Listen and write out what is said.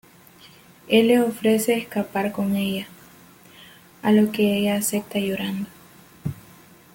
Él le ofrece escapar con ella, a lo que ella acepta llorando.